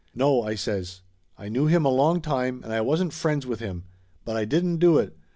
"No!" I says. "I knew him a long time, and I wasn't friends with him. But I didn't do it.